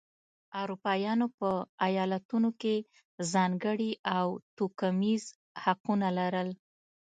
اروپایانو په ایالتونو کې ځانګړي او توکمیز حقونه لرل.